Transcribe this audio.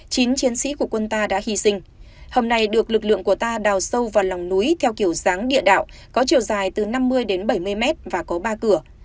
chín chiến sĩ của quân ta đã hy sinh hầm này được lực lượng của ta đào sâu vào lòng núi theo kiểu dáng địa đạo có chiều dài từ năm mươi đến bảy mươi mét và có ba cửa